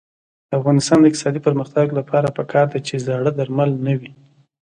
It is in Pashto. د افغانستان د اقتصادي پرمختګ لپاره پکار ده چې زاړه درمل نه وي.